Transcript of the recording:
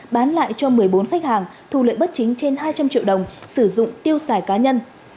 bán lại cho một mươi bốn khách hàng thu lợi bất chính trên hai trăm linh triệu đồng sử dụng tiêu xài cá nhân